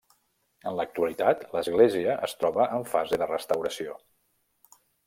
En l'actualitat, l'església es troba en fase de restauració.